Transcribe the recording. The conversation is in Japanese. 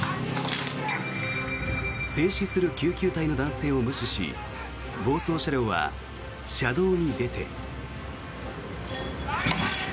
制止する救急隊の男性を無視し暴走車両は車道に出て。